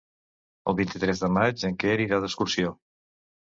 El vint-i-tres de maig en Quer irà d'excursió.